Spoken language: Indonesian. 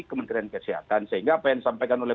kementerian kesehatan sehingga apa yang disampaikan oleh